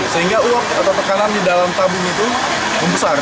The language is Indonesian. sehingga uap atau tekanan di dalam tabung itu membesar